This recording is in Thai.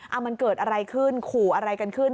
เอามันเกิดอะไรขึ้นขู่อะไรกันขึ้น